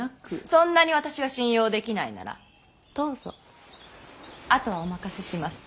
そんなに私が信用できないならどうぞあとはお任せします。